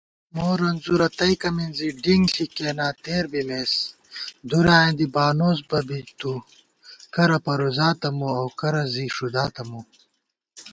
مورنځورہ تئیکہ مِنزی ڈِنگ ݪی کېنا تېر بِمېس * دُرایاں دی بانُوس بہ بی تُوکرہ پروزاتہ مو اؤ کرہ زی ݭُداتہ مو